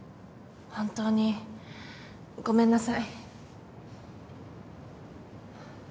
本当にごめんなさい。